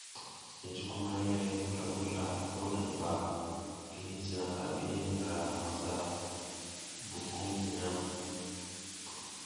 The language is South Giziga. I jukum hang le purla purla i wudam ba ki cinaka bi ndra masa bukumdina.